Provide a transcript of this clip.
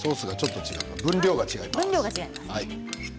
分量が違いますね。